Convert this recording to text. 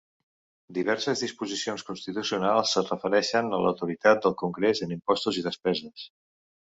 Diverses disposicions constitucionals es refereixen a l'autoritat del congrés en impostos i despeses.